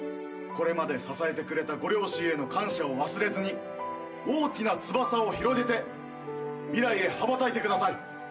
これまで支えてくれたご両親への感謝を忘れずに大きな翼を広げて未来へ羽ばたいてください。